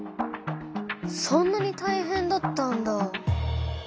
そんなにたいへんだったんだ。